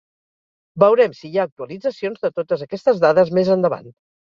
Veurem si hi ha actualitzacions de totes aquestes dades més endavant.